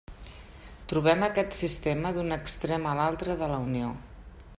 Trobem aquest sistema d'un extrem a l'altre de la Unió.